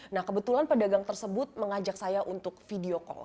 nah kebetulan pedagang tersebut mengajak saya untuk video call